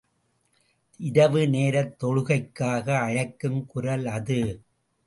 இரவு நேரத் தொழுகைக்காக அழைக்கும் குரல் அது.